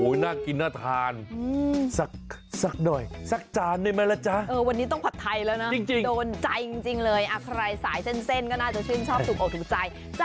อย่าลืมมาชิมกันนะคะ